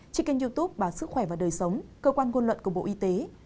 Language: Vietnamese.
trên kênh youtube báo sức khỏe và đời sống cơ quan ngôn luận của bộ y tế